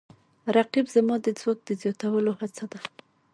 رقیب زما د ځواک د زیاتولو هڅه ده